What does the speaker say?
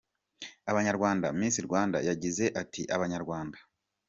abanyarwanda, Miss Rwanda yagize ati, Abanyarwanda.